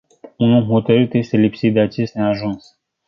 Un om hotarît este lipsit de acest neajuns.